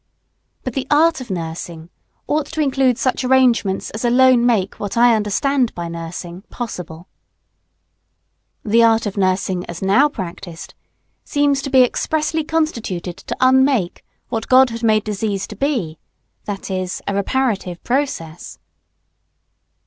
But the art of nursing ought to include such arrangements as alone make what I understand by nursing, possible. The art of nursing, as now practised, seems to be expressly constituted to unmake what God had made disease to be, viz., a reparative process. [Sidenote: Nursing ought to assist the reparative process.